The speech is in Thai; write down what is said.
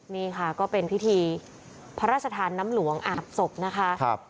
นี่ค่ะก็เป็นพิธีพระราชทานน้ำหลวงอาบศพนะคะ